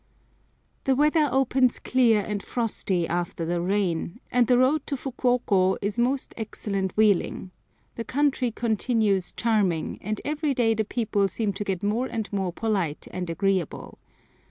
The weather opens clear and frosty after the rain, and the road to Fukuoko is most excellent wheeling; the country continues charming, and every day the people seem to get more and more polite and agreeable.